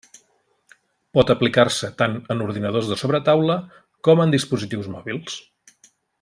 Pot aplicar-se tant en ordinadors de sobretaula com en dispositius mòbils.